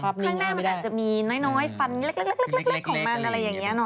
มั้งแนบมันอาจจะมีน้อยปรังันเล็กของมันอะไรอย่างนี้เนอะ